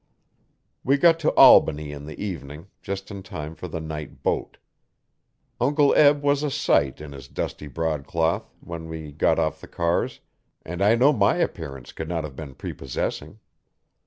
We got to Albany in the evening, just in time for the night boat. Uncle Eb was a sight in his dusty broadcloth, when we got off the cars, and I know my appearance could not have been prepossessing.